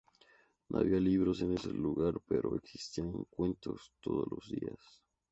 No había libros en ese lugar pero existían cuentos todos los días.